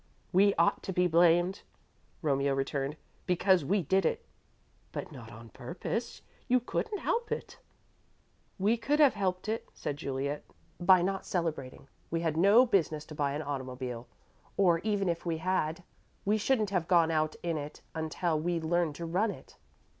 "We ought to be blamed," Romeo returned, "because we did it." "But not on purpose you couldn't help it." "We could have helped it," said Juliet, "by not celebrating. We had no business to buy an automobile, or, even if we had, we shouldn't have gone out in it until we learned to run it."